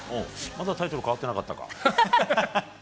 まだタイトル変わってなかったか。